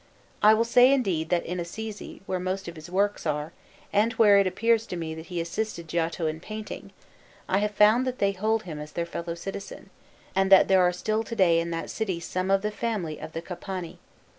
I will say, indeed, that in Assisi, where most of his works are, and where it appears to me that he assisted Giotto in painting, I have found that they hold him as their fellow citizen, and that there are still to day in that city some of the family of the Capanni.